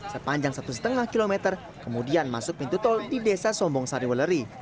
sepanjang satu lima km kemudian masuk pintu tol di desa sombong sariweleri